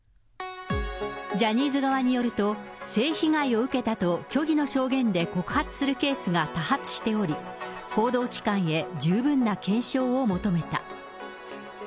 ジャニーズ側によると、性被害を受けたと虚偽の証言で告発するケースが多発しており、報道機関へ十分な検証を求めた。